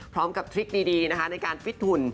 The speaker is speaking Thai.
พร้อมกับทริคดีนะคะในการฟิตหุ่น